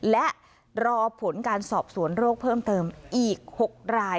และรอผลการสอบสวนโรคเพิ่มเติมอีก๖ราย